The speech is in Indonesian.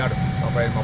ya sudah usia nggak bisa